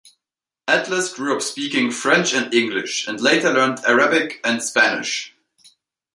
Atlas grew up speaking French and English, and later learned Arabic and Spanish.